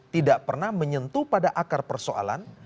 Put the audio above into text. tidak pernah menyentuh pada akar persoalan